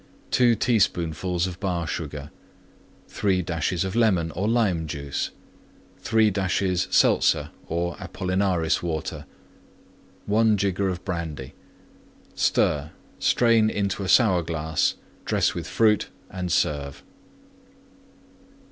2 teaspoonfuls Bar Sugar. 3 dashes Lemon or Lime Juice. 3 dashes Seltzer or Apollinaris Water. 1 jigger Brandy. Stir; strain into Sour glass; dress with Fruit and serve.